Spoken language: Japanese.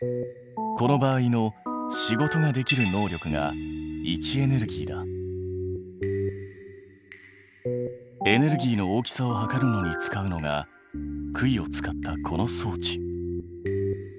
この場合の仕事ができる能力がエネルギーの大きさを測るのに使うのが杭を使ったこの装置。